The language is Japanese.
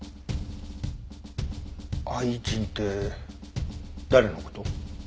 愛人って誰の事？